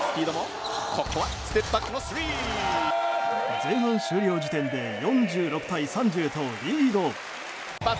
前半終了時点で４６対３０とリード。